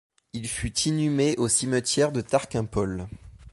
Il fut inhumé au cimetière de Tarquimpol.